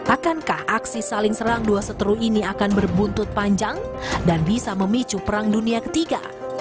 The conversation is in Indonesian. akankah aksi saling serang dua seteru ini akan berbuntut panjang dan bisa memicu perang dunia ketiga